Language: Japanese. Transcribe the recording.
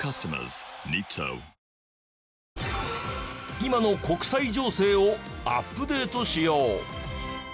今の国際情勢をアップデートしよう。